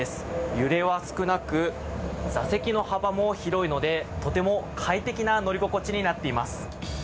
揺れは少なく座席も広いのでとても快適な乗り心地になっています。